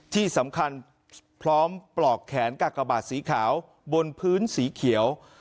ที่สำคัญพร้อมปลอกแขนกากบาทสีขาวบนพื้นสีเขียว